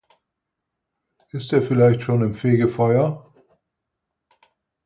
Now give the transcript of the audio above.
Ist er vielleicht schon im Fegefeuer?